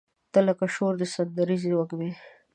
تۀ لکه شور د سندریزې وږمې